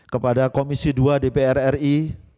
kepada komisi dua dpr ri